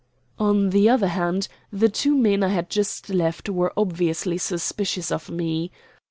On the other hand the two men I had just left were obviously suspicious of me.